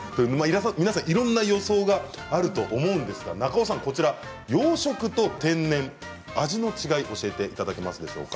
皆さんいろんな予想があると思いますが、養殖と天然味の違いを教えていただけますか。